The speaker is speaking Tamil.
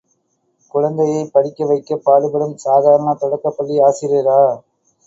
குழந்தையைப் படிக்க வைக்கப் பாடுபடும், சாதாரண தொடக்கப் பள்ளி ஆசிரியரா?